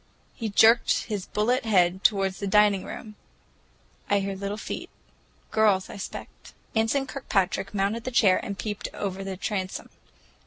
He jerked his bullet head toward the dining room. "I hear little feet,—girls, I 'spect." Anson Kirkpatrick mounted a chair and peeped over the transom.